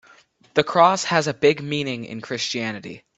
The cross has a big meaning in Christianity.